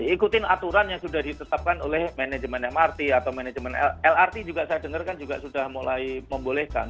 ikutin aturan yang sudah ditetapkan oleh manajemen mrt atau manajemen lrt juga saya dengar kan juga sudah mulai membolehkan